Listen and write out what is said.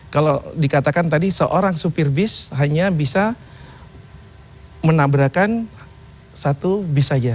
kalau dikatakan tadi seorang supir bis hanya bisa menabrakan satu bis saja